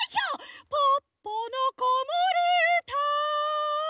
「ポッポのこもりうた」